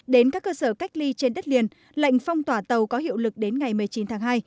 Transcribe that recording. đến các cơ sở cách ly trên đất liền lệnh phong tỏa tàu có hiệu lực đến ngày một mươi chín tháng hai